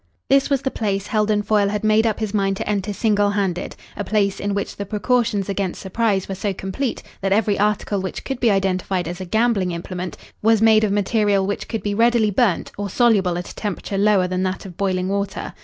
This was the place Heldon Foyle had made up his mind to enter single handed a place in which the precautions against surprise were so complete that every article which could be identified as a gambling implement was made of material which could be readily burnt, or soluble at a temperature lower than that of boiling water.